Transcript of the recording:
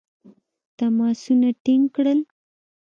تماسونه ټینګ کړل.